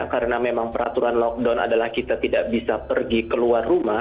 karena memang peraturan lockdown adalah kita tidak bisa pergi keluar rumah